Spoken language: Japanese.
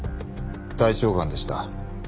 大腸がんでした。